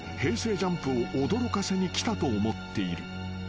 ＪＵＭＰを驚かせに来たと思っている］